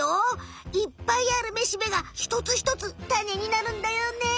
いっぱいあるめしべがひとつひとつタネになるんだよね。